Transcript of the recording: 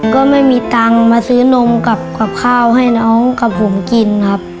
ก็ไม่มีตังค์มาซื้อนมกับข้าวให้น้องกับผมกินครับ